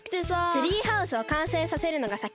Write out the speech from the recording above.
ツリーハウスをかんせいさせるのがさき！